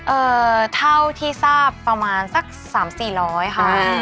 เอ่อเท่าที่ทราบประมาณสัก๓๔๐๐บาทค่ะ